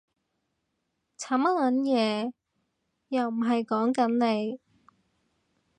慘乜撚嘢？，又唔係溝緊你